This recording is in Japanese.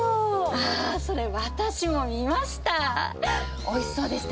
あそれ私も見ました。